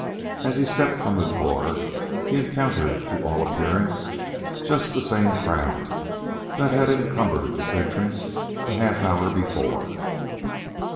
As he stepped from the door, he encountered, to all appearance, just the same crowd that had encumbered its entrance a half hour before.